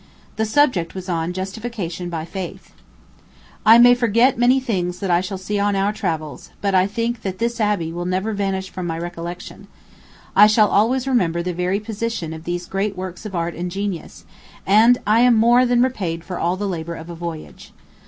The subject was on justification by faith: I may forget many things that I shall see on our travels, but I think that this abbey will never vanish from my recollection. I shall always remember the very position of these great works of art and genius; and I am more than repaid for all the labor of a voyage.